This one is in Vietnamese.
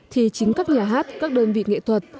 thì chính các nhà hát các đơn vị nghệ thuật